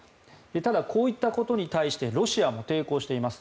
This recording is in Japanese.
ただ、こういったことに対してロシアも抵抗しています。